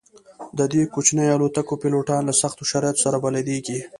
د دې کوچنیو الوتکو پیلوټان له سختو شرایطو سره بلدیږي